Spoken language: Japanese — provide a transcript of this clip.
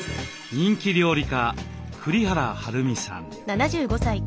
人気料理家栗原はるみさん。